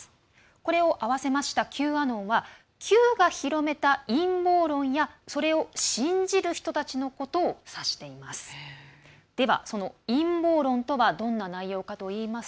これを合わせましたＱアノンはＱが広めた陰謀論やそれを信じる人たちのことを指しています。